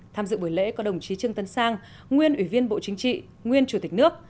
tham dự buổi lễ có đồng chí trương tân sang nguyên ủy viên bộ chính trị nguyên chủ tịch nước